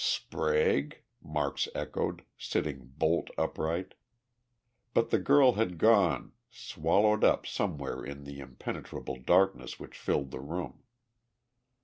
"Sprague?" Marks echoed, sitting bolt upright. But the girl had gone, swallowed up somewhere in the impenetrable darkness which filled the room.